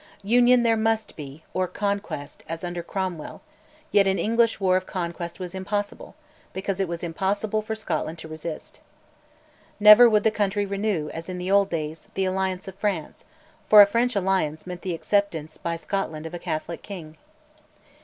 Union there must be, or conquest, as under Cromwell; yet an English war of conquest was impossible, because it was impossible for Scotland to resist. Never would the country renew, as in the old days, the alliance of France, for a French alliance meant the acceptance by Scotland of a Catholic king.